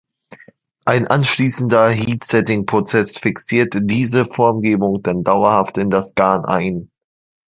Ein anschließender Heatsetting-Prozess fixiert diese Formgebung dann dauerhaft in das Garn ein.